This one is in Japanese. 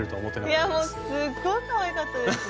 もうすっごいかわいかったですね。